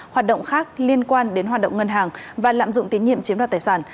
hoạt động khác liên quan đến hoạt động ngân hàng và lạm dụng tín nhiệm chiếm đoạt tài sản